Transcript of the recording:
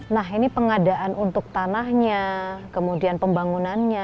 nah ini pengadaan untuk tanahnya kemudian pembangunannya